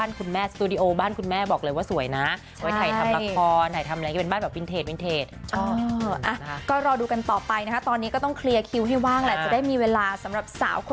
เริ่มโฟกัสมากขึ้นแน่นอนครับ